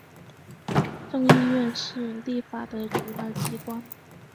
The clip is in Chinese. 众议院是立法的主要机关。